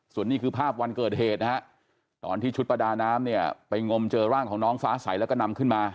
ส่วนนี้คือภาพวันเกิดเหตุนะฮะตอนที่ชุดประดาน้ำเนี่ยไปงมเจอร่างของน้องฟ้าใสแล้วก็นำขึ้นมา